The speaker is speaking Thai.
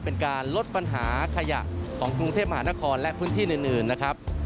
เป็นการลดปัญหาขยะของกรุงเทพมหานครและพื้นที่อื่นนะครับ